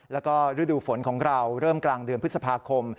แล้วก็ฤดูฝนของเราเริ่มกลางเดือนพฤษภาคม